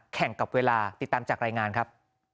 แข่งกับเวลาติดตามจากรายงานครับ